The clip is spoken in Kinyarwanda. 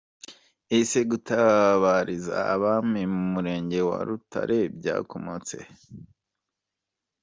Ese gutabariza abami mu murenge wa Rutare byakomotse he?.